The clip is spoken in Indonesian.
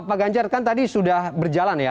pak ganjar kan tadi sudah berjalan ya